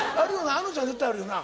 ａｎｏちゃん絶対あるよな？